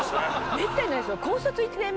めったにないですよ。